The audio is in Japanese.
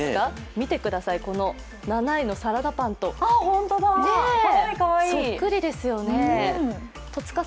見てください、この７位のサラダパンと、そっくりですよね。